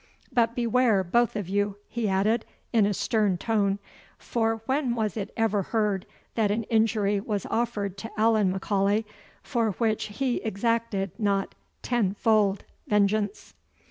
But beware both of you," he added, in a stern tone; "for when was it ever heard that an injury was offered to Allan M'Aulay, for which he exacted not tenfold vengeance?"